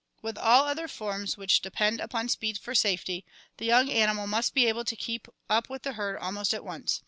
With all other forms which depend upon 306 ORGANIC EVOLUTION speed for safety, the young animal must be able to keep up with the herd almost at once.